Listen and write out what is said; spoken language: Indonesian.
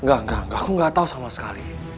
enggak enggak enggak aku gak tau sama sekali